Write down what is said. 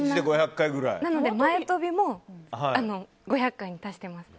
なので、前跳びも５００回に足してます。